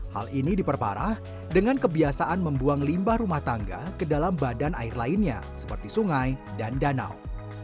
hal ini diperparah dengan kebiasaan membuang limbah rumah tangga ke dalam badan air lainnya seperti sungai dan danau